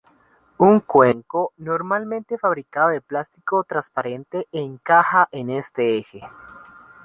Un cuenco, normalmente fabricado de plástico transparente, encaja en este eje.